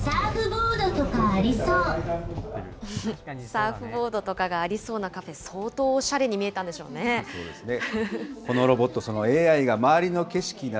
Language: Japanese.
サーフボードとかがありそうなカフェ、相当おしゃれに見えたんでしょうね。